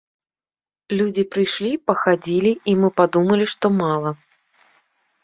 Людзі прыйшлі, пахадзілі, і мы падумалі, што мала.